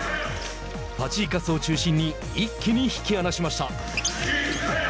ファジーカスを中心に一気に引き離しました。